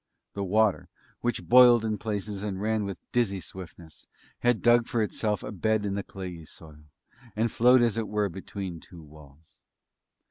The water, which boiled in places and ran with a dizzy swiftness, had dug for itself a bed in the clayey soil, and flowed as it were between two walls.